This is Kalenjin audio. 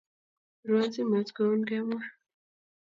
Pirwan simot kaun kemwa